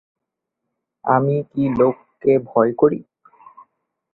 আমি কি লোককে ভয় করি।